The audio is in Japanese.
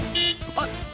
あっ！